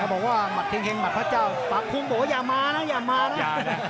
บอกว่าหมัดเห็งหัดพระเจ้าปากคุมบอกว่าอย่ามานะอย่ามานะ